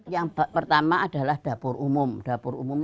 yang pertama adalah dapur umum